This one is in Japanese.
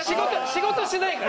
仕事しないから。